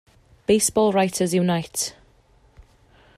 Baseball Writers Unite.